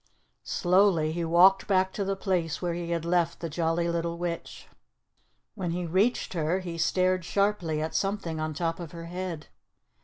Slowly he walked back to the place where he had left the Jolly Little Witch. When he reached her he stared sharply at something on top of her head.